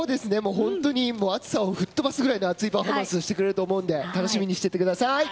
暑さを吹っ飛ばすぐらいの熱いパフォーマンスをしてくれると思うので楽しみにしててください。